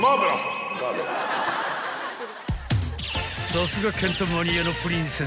［さすがケンタマニアのプリンセス］